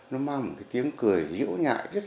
nó mang một cái tiếng cười dĩu nhạy